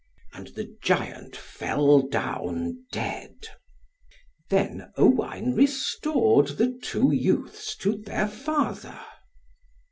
And the giant fell down dead. Then Owain restored the two youths to their father.